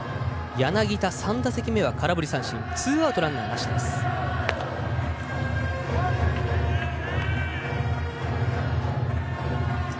柳田３打席目は空振り三振ツーアウトランナーなしです。